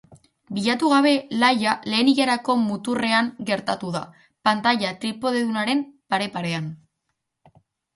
Bilatu gabe, Laia lehen ilarako muturrean gertatu da, pantaila tripodedunaren pare-parean.